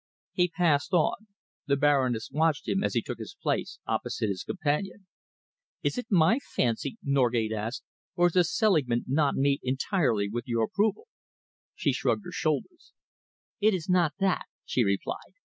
He passed on. The Baroness watched him as he took his place opposite his companion. "Is it my fancy," Norgate asked, "or does Selingman not meet entirely with your approval?" She shrugged her shoulders. "It is not that," she replied.